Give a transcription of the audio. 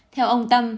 theo ông tâm